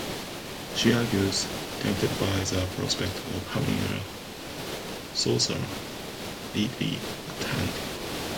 She agrees, tempted by the prospect of having a sorcerer readily at hand.